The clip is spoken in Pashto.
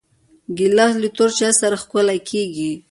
ګیلاس له تور چای سره ښکلی کېږي.